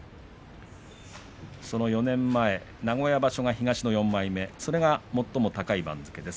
その４年前名古屋場所が東の４枚目それが最も高い番付です。